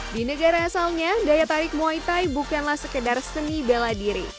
di negara asalnya daya tarik muay thai bukanlah sekedar seni bela diri